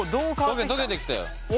溶けてきたよ。